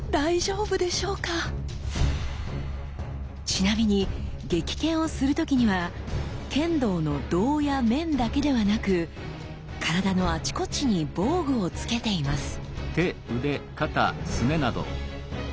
ちなみに撃剣をする時には剣道の胴や面だけではなく体のあちこちに防具を着けています。